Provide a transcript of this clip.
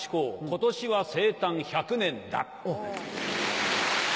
今年は生誕１００年だ。